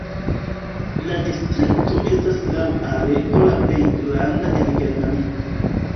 La distrikto estas laŭ areo la plej granda en Germanio.